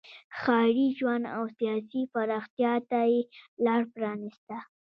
ښاري ژوند او سیاسي پراختیا ته یې لار پرانیسته.